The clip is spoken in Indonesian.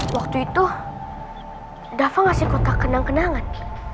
waktu itu dava ngasih kotak kenang kenangan